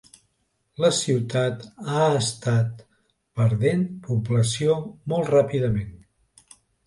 La ciutat ha estat perdent població molt ràpidament.